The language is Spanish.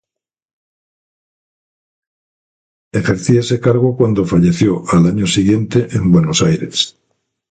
Ejercía ese cargo cuando falleció, al año siguiente, en Buenos Aires.